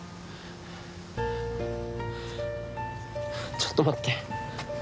ちょっと待って。